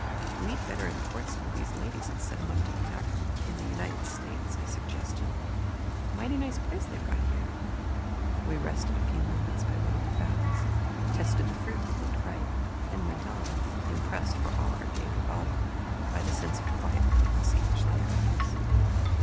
"We'd better import some of these ladies and set 'em to parking the United States," I suggested. "Mighty nice place they've got here." We rested a few moments by one of the fountains, tested the fruit that looked ripe, and went on, impressed, for all our gay bravado by the sense of quiet potency which lay about us.